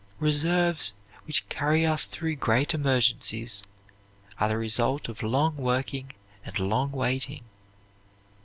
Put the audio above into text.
Reserves which carry us through great emergencies are the result of long working and long waiting.